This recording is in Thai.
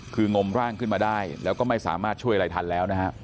คืองมร่างขึ้นมาได้แล้วก็ไม่สามารถช่วยอะไรทันแล้วนะฮะ